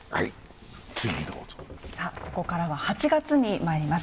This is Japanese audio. ここからは８月にまいります